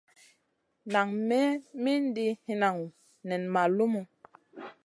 Nan me mindi hinanŋu nen ma lumu.